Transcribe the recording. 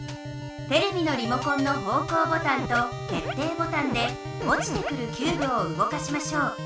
テレビのリモコンの方向ボタンと決定ボタンでおちてくるキューブをうごかしましょう。